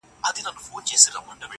هره ورځ انتظار، هره شپه انتظار_